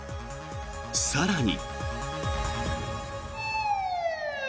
更に。